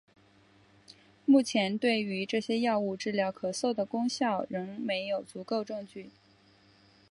目前对于这些药物治疗咳嗽的功效仍没有足够证据。